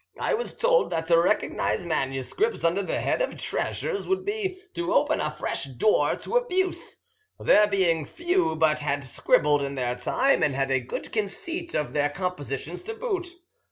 I was told that to recognise manuscripts under the head of 'treasures' would be to open a fresh door to abuse, there being few but had scribbled in their time and had a good conceit of their compositions to boot.